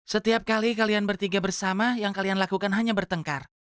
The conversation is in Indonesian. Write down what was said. setiap kali kalian bertiga bersama yang kalian lakukan hanya bertengkar